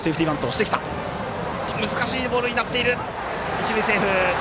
一塁セーフ！